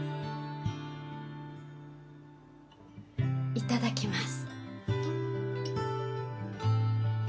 いただきます。